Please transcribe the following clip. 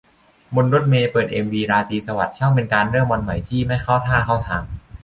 บนรถเมล์ เปิดเอ็มวี 'ราตรีสวัสดิ์' ช่างเป็นการเริ่มวันใหม่ที่ ไม่เข้าท่าเข้าทาง